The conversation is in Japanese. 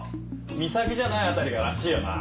『岬』じゃないあたりがらしいよな。